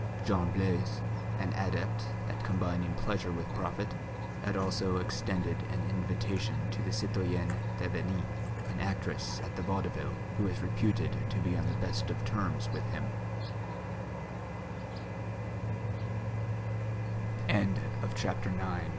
Jean Blaise, an adept at combining pleasure with profit, had also extended an invitation to the citoyenne Thévenin, an actress at the Vaudeville, who was reputed to be on the best of terms